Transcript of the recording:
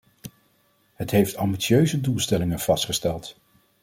Het heeft ambitieuze doelstellingen vastgesteld.